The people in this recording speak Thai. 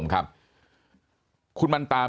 มีความรู้สึกว่า